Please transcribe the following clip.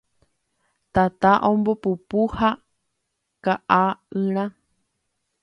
Tata ombopupu y ka'ayrã